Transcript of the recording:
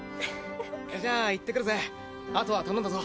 じゃあ行ってくるぜあとは頼んだぞ。